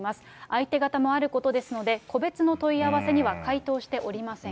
相手方もあることですので、個別の問い合わせには回答しておりま